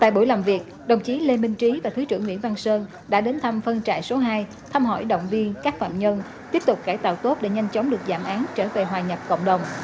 tại buổi làm việc đồng chí lê minh trí và thứ trưởng nguyễn văn sơn đã đến thăm phân trại số hai thăm hỏi động viên các phạm nhân tiếp tục cải tạo tốt để nhanh chóng được giảm án trở về hòa nhập cộng đồng